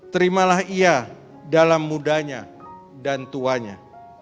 terimalah ia dalam mudanya dan tuanya